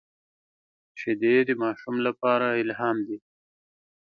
شیدې د ماشوم لپاره الهام دي